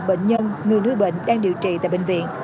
bệnh nhân người nuôi bệnh đang điều trị tại bệnh viện